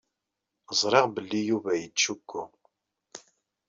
Ẓriɣ belli Yuba yettcukku.